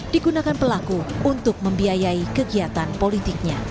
digunakan pelaku untuk membiayai kegiatan politiknya